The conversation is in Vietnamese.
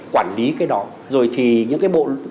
quản lý cái đó rồi thì những cái bộ